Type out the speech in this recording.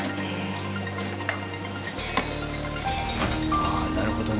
ああなるほどね。